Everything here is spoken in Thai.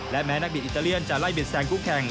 และแม้นักบินอิตาเลียนจะไล่บิดแซงคู่แข่ง